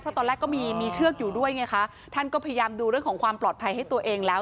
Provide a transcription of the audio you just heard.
เพราะตอนแรกก็มีมีเชือกอยู่ด้วยไงคะท่านก็พยายามดูเรื่องของความปลอดภัยให้ตัวเองแล้ว